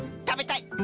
たべたい！